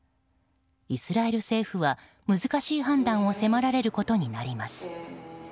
イスラエル政府は難しい判断を迫られることになります。